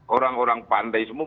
orang orang pandai semua